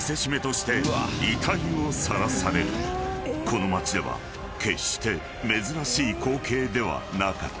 ［この町では決して珍しい光景ではなかった］